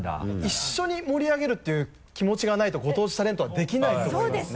一緒に盛り上げるっていう気持ちがないとご当地タレントはできないと思いますね。